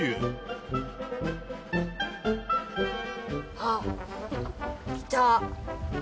あっいた。